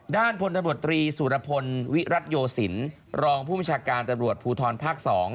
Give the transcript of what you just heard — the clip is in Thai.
พลตำรวจตรีสุรพลวิรัติโยสินรองผู้บัญชาการตำรวจภูทรภาค๒